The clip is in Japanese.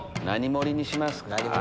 何盛りにします？